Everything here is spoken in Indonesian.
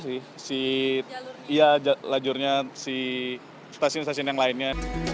iya lah jurnya si stasiun stasiun yang lainnya